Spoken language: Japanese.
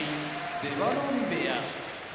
出羽海部屋